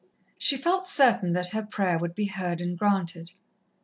She felt certain that her prayer would be heard and granted.